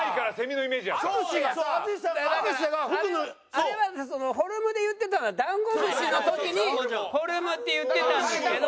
あれはフォルムで言ってたのはダンゴムシの時にフォルムって言ってたんですけど。